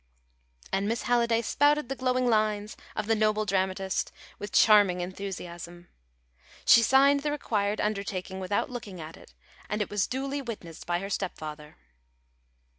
And Miss Halliday spouted the glowing lines of the noble dramatist with charming enthusiasm. She signed the required undertaking without looking at it, and it was duly witnessed by her stepfather.